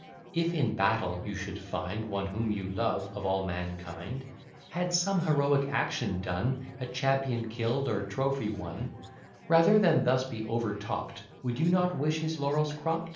If in battle you should find One whom you love of all mankind, Had some heroic action done, A champion kill'd, or trophy won; Rather than thus be overtopt, Would you not wish his laurels cropt?